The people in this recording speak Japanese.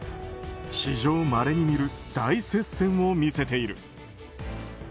史上まれに見る大接戦を見せている。